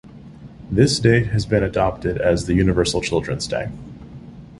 This date has been adopted as the Universal Children's Day.